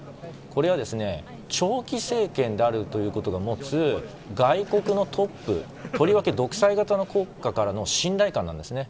これは長期政権であることが持つ外国のトップとりわけ独裁型の国家からの信頼感なんですね。